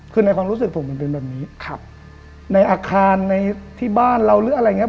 คือในความรู้สึกผมมันเป็นแบบนี้ครับในอาคารในที่บ้านเราหรืออะไรอย่างเงี้